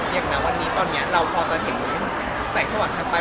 อย่างนั้นวันนี้ตอนนี้เราพอจะเห็นแสงชะวัดทางไป